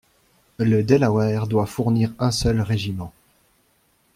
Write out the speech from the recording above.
Le Delaware doit fournir un seul régiment.